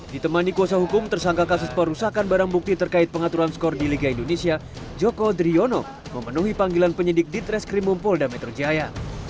ditemani kuasa hukum tersangka kasus perusakan barang bukti terkait pengaturan skor di liga indonesia joko driono memenuhi panggilan penyidik di treskrimum polda metro jaya